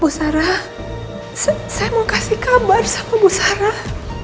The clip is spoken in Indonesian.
bu sarah saya mau kasih kabar sama bu sarah